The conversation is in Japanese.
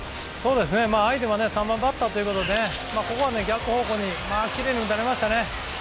相手は３番バッターということでここは逆方向にきれいに打たれましたね。